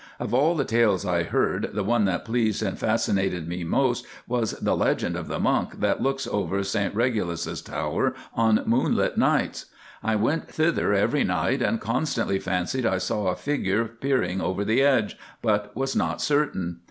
Of all the tales I heard, the one that pleased and fascinated me most was the legend of the monk that looks over St Regulus's Tower on moonlight nights. I went thither every night, and constantly fancied I saw a figure peering over the edge, but was not certain.